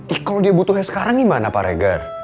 eh kalau dia butuhnya sekarang gimana pak reger